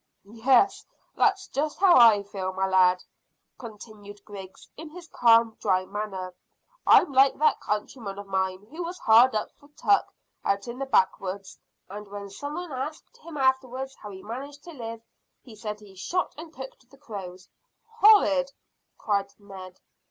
"Yes, that's just how I feel, my lad," continued Griggs, in his calm, dry manner. "I'm like that countryman of mine who was hard up for tuck, out in the backwoods, and when some one asked him afterwards how he managed to live, he said he shot and cooked the crows." "Horrid!" cried Ned.